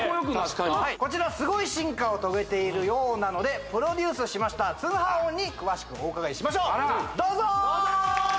こちらすごい進化を遂げているようなのでプロデュースしました通販王に詳しくお伺いしましょうどうぞー！